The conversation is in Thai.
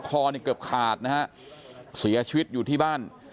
คอนี่เกือบขาดนะฮะเสียชีวิตอยู่ที่บ้าน